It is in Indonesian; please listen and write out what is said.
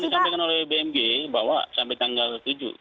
seperti yang disampaikan oleh bmg bahwa sampai tanggal tujuh